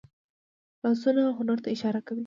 لاسونه هنر ته اشاره کوي